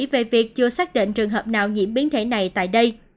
về việc chưa xác định trường hợp nào nhiễm biến thể này tại đây